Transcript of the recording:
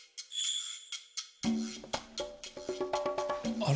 あれ？